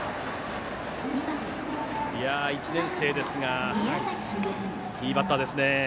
１年生ですがいいバッターですね。